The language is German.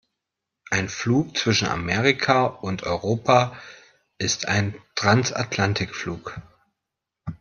Ein Flug zwischen Amerika und Europa ist ein Transatlantikflug.